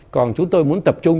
còn chúng tôi muốn tập trung